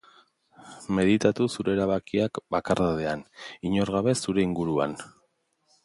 Meditatu zure erabakiak bakardadean, inor gabe zure inguruan.